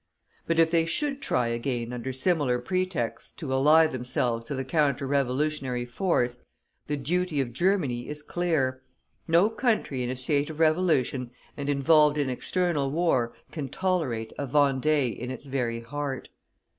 But if they should try again under similar pretexts to ally themselves to the counter revolutionary force, the duty of Germany is clear. No country in a state of revolution and involved in external war can tolerate a Vendée in its very heart.